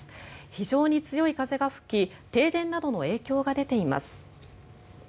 非常に強い風が吹き停電などの影響が出ています。